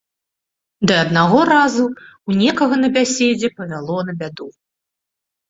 Ды аднаго разу ў некага на бяседзе павяло на бяду.